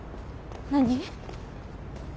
何？